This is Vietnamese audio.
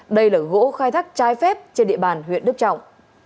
đây là gỗ khai thác trái phép trên địa bàn huyện đức trọng